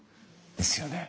ですよね。